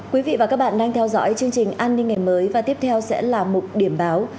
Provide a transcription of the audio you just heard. quý vị và các bạn đang theo dõi chương trình an ninh ngày mới và tiếp theo sẽ là mục điểm báo